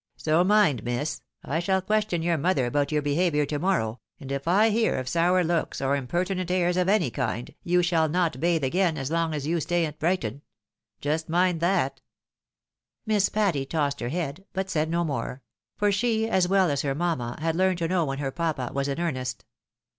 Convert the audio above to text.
" So mind, miss, I shall question your mother about your behaviour to morrow, and if I hear of sour looks, or impertinent airs of any kind, you shall not bathe again as long as you stay at Brighton. Just mind that." Miss Patty tossed her head, but said no more ; for she, as well as her mjmma, had learned to know when her papa was in earnest.